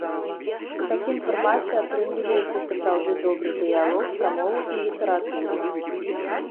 У такім фармаце атрымліваецца сапраўды добры дыялог пра мову і літаратуру.